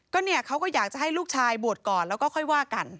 ก็เนี่ยเขาก็อยากจะให้ลูกชายบวชก่อนแล้วก็ค่อยว่ากัน